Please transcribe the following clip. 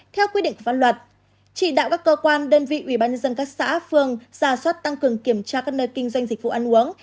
trị đạo các cơ quan đơn vị ubnd các xã phường giả soát tăng cường kiểm tra các nơi kinh doanh dịch vụ ăn uống